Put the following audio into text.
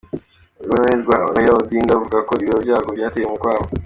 Urunani rwa Raila Odinga ruvuga ko ibiro vyarwo vyatewe umukwabu.